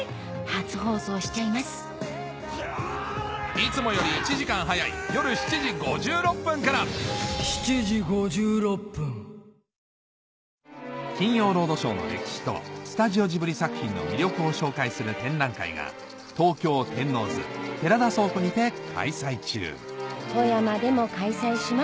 いつもより１時間早い夜７時５６分から『金曜ロードショー』の歴史とスタジオジブリ作品の魅力を紹介する展覧会が東京・天王洲寺田倉庫にて開催中富山でも開催します